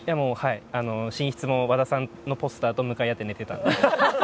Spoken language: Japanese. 寝室も和田さんのポスターと向かい合って寝てたんで。